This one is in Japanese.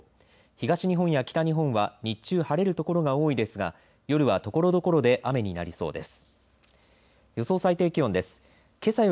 東日本や北日本は日中晴れる所が多いですが夜はところどころで雨になりそうです。